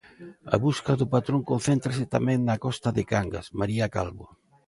A busca do patrón concéntrase tamén na costa de Cangas, María Calvo.